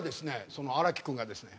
その荒木君がですね